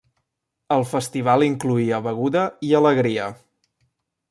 El festival incloïa beguda i alegria.